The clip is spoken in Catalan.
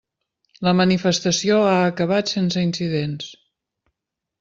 La manifestació ha acabat sense incidents.